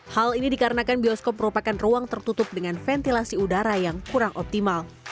hal ini dikarenakan bioskop merupakan ruang tertutup dengan ventilasi udara yang kurang optimal